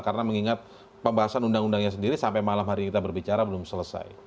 karena mengingat pembahasan undang undangnya sendiri sampai malam hari kita berbicara belum selesai